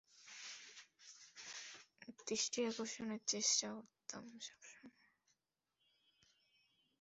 তার দৃষ্টি আকর্ষণের চেষ্টা করতাম সবসময়।